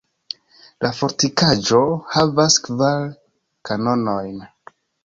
La fortikaĵo havas kvar kanonojn.